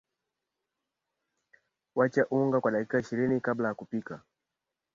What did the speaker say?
wacha unga kwa dakika ishirini kabla ya kupika